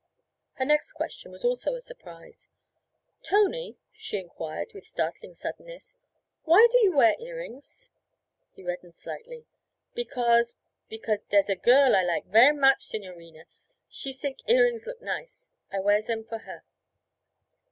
Her next question was also a surprise. 'Tony,' she inquired with startling suddenness, 'why do you wear earrings?' He reddened slightly. 'Because because der's a girl I like ver' much, signorina; she sink earrings look nice. I wear zem for her.'